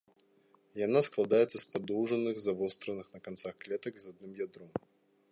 Яна складаецца з падоўжаных, завостраных на канцах клетак з адным ядром.